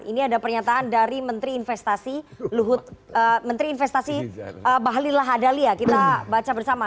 ini ada pernyataan dari menteri investasi luhut menteri investasi bahlil lahadalia kita baca bersama